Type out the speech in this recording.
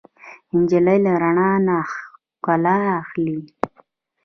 نجلۍ له رڼا نه ښکلا اخلي.